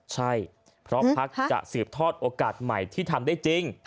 ใช่เพราะพักจะสืบทอดโอกาสใหม่ที่ทำได้จริง